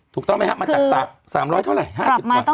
ถูกต้องไหมครับมาจาก๓๐๐เท่าไหร่๕๐กว่า